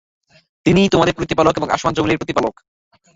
তিনি তোমাদের প্রতিপালক এবং আসমান-যমীনেরও প্রতিপালক।